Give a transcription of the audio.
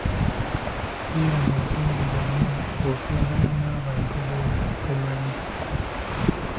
Beera mwegendereza nnyo ng'okolagana n'abantu b'otomanyi.